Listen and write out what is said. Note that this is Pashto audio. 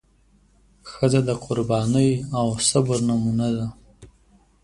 ښځه د قربانۍ او صبر نمونه ده.